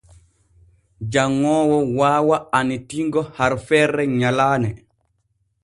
Janŋoowo waawa annitingo harfeere nyalaane.